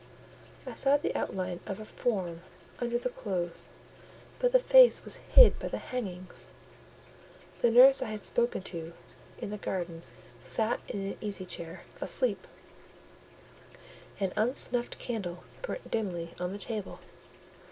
I saw the outline of a form under the clothes, but the face was hid by the hangings: the nurse I had spoken to in the garden sat in an easy chair asleep; an unsnuffed candle burnt dimly on the table.